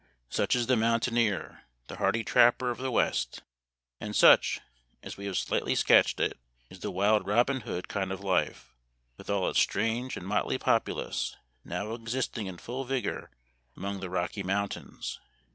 Such is the mountaineer, the hardy trapper of the West ; and such, as we have slightly sketched it, is the wild Robin Hood kind of life, with all its strange and motley populace, now existing in full vigor among the Rocky Mountains.